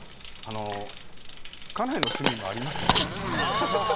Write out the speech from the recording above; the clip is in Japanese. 家内の趣味もありますし。